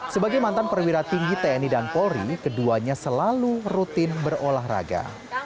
sebagai mantan perwira tinggi tni dan polri keduanya selalu rutin berolahraga